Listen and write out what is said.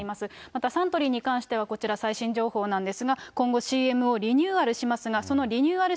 またサントリーに関しては、こちら、最新情報なんですが、今後、ＣＭをリニューアルしますが、そのリニューアル